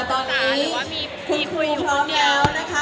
เอาละตอนนี้คุณครูพร้อมแล้วนะคะ